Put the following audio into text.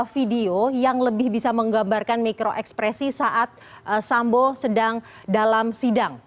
video yang lebih bisa menggambarkan mikro ekspresi saat sambo sedang dalam sidang